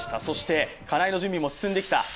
そして金井の準備も進んできた。